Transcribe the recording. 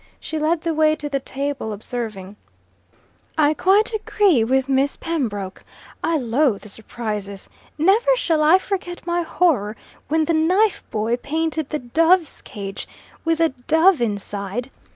She led the way to the table, observing, "I quite agree with Miss Pembroke. I loathe surprises. Never shall I forget my horror when the knife boy painted the dove's cage with the dove inside.